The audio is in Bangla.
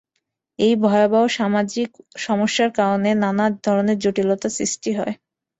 এই ভয়াবহ সামাজিক সমস্যার কারণে নানা ধরনের জটিলতা সৃষ্টি হয়।